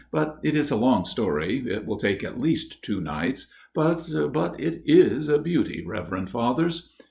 " But it is a long story ; it will take at least two nights ; but but it is a beauty, reverend Fathers."